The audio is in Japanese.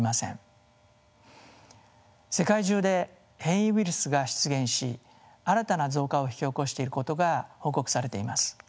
世界中で変異ウイルスが出現し新たな増加を引き起こしていることが報告されています。